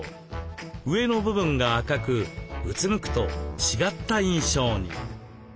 上の部分が赤くうつむくと違った印象に。